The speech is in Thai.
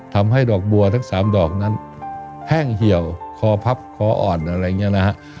ทำให้ดอกบัวทั้ง๓ดอกนั้นแห้งเหี่ยวคอพับคออ่อนอะไรอย่างนี้นะฮะ